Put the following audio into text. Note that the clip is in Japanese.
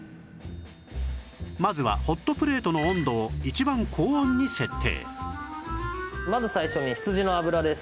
まずはホットプレートの温度を一番高温に設定